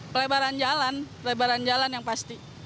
pelebaran jalan pelebaran jalan yang pasti